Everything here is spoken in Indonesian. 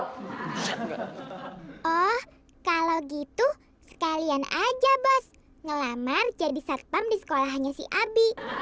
oh kalau gitu sekalian aja bos ngelamar jadi satpam di sekolahannya si abi